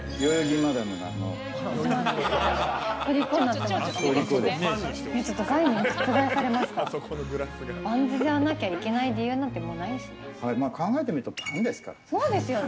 丸いバンズじゃなきゃいけない理由なんてないですね。